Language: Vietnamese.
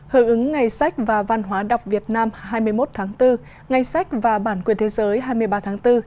hợp ứng ngày sách và văn hóa đọc việt nam hai mươi một tháng bốn ngày sách và bản quyền thế giới hai mươi ba tháng bốn